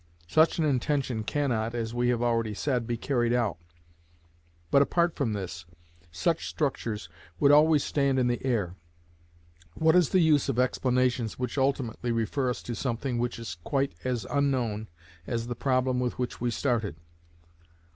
Such an intention cannot, as we have already said, be carried out. But apart from this, such structures would always stand in the air. What is the use of explanations which ultimately refer us to something which is quite as unknown as the problem with which we started?